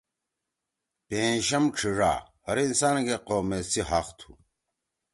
پئیں شم ڇھیِڙا: ہر انسان کے قومیت سی حق تُھو۔